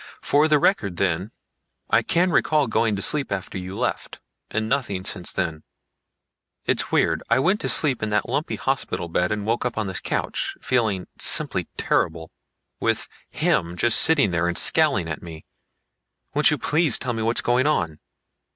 For the record then, I can recall going to sleep after you left. And nothing since then. It's weird. I went to sleep in that lumpy hospital bed and woke up on this couch, feeling simply terrible. With him just sitting there and scowling at me. Won't you please tell me what is going on?"